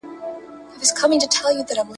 سي به څرنګه په کار د غلیمانو